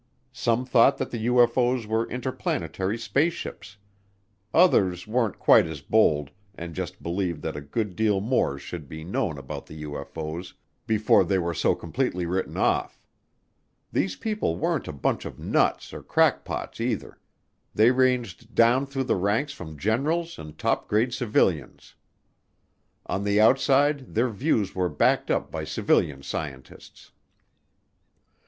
Some thought that the UFO's were interplanetary spaceships. Others weren't quite as bold and just believed that a good deal more should be known about the UFO's before they were so completely written off. These people weren't a bunch of nuts or crackpots either. They ranged down through the ranks from generals and top grade civilians. On the outside their views were backed up by civilian scientists.